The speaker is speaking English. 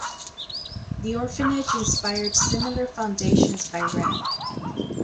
The orphanage inspired similar foundations by Rev.